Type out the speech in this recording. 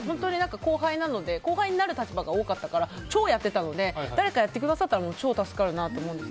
後輩なので後輩になる立場が多かったから超やってたので誰か、やってくださったら超助かるなって。